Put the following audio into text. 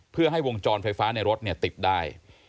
เพื่อให้วงจรไฟฟ้าในรถติดได้